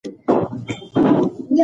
زیات غوښه کول روغتیا ته زیان رسوي.